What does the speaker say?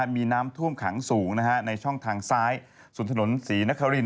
มีน้ำท่วมขังสูงในช่องทางซ้ายสุดถนนศรีนคริน